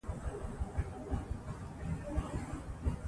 د واک محدودیت د استبداد مخه نیسي او ثبات زیاتوي